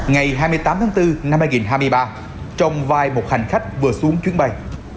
ngày hai mươi tám tháng bốn năm hai nghìn hai mươi ba trong vai một hành khách vừa xuống chuyến bay